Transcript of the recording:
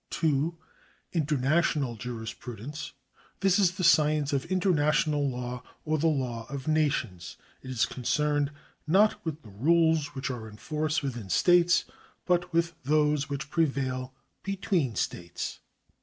2. International Jurisjjrudence. — This is the science of international law or the law of nations. It is concerned not with the rules which are in force ivithin states, but with those which prevail between states.